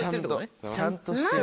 ちゃんとしてる。